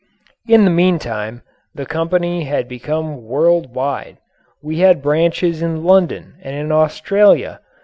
In the meantime, the company had become world wide. We had branches in London and in Australia.